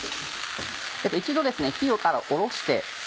一度火から下ろして。